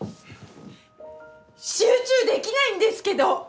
集中できないんですけど！